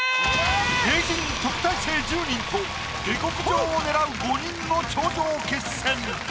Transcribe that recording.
名人・特待生１０人と下克上を狙う５人の頂上決戦。